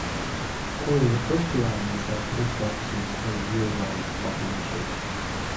Only the first two islands have post offices or year-round populations.